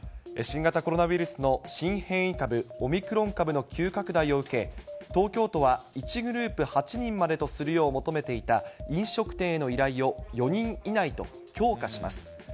新型コロナウイルスの新変異株、オミクロン株の急拡大を受け、東京都は１グループ８人までとするよう求めていた飲食店への依頼を、４人以内と強化します。